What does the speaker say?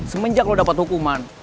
semenjak lo dapet hukuman